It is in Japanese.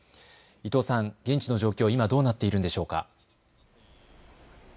伊藤さん、現地の状況、今どうなっているでしょうか。